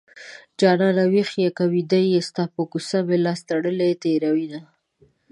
جانانه ويښ يې که ويده يې ستا په کوڅه مې لاس تړلی تېروينه